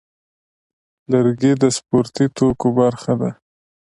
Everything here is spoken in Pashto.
لرګی د سپورتي توکو برخه ده.